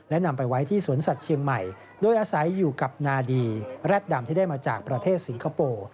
และนำไปไว้ที่สวนสัตว์เชียงใหม่โดยอาศัยอยู่กับนาดีแร็ดดำที่ได้มาจากประเทศสิงคโปร์